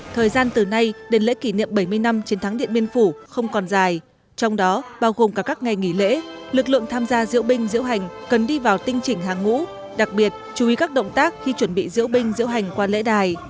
thời gian từ nay đến lễ kỷ niệm bảy mươi năm chiến thắng điện biên phủ không còn dài trong đó bao gồm cả các ngày nghỉ lễ lực lượng tham gia diễu binh diễu hành cần đi vào tinh chỉnh hàng ngũ đặc biệt chú ý các động tác khi chuẩn bị diễu binh diễu hành qua lễ đài